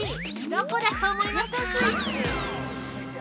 どこだと思いますか？